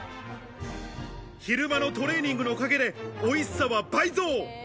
昼間のトレーニングのおかげで、おいしさは倍増。